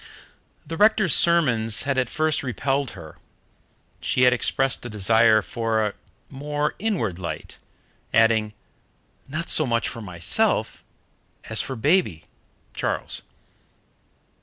The rector's sermons had at first repelled her, and she had expressed a desire for "a more inward light," adding, "not so much for myself as for baby" (Charles).